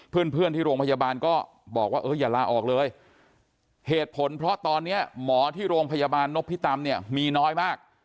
เพื่อนที่โรงพยาบาลก็บอกว่าเอออย่าลาออกเลยเหตุผลเพราะตอนนี้หมอที่โรงพยาบาลนพิตำเนี่ยมีน้อยมาก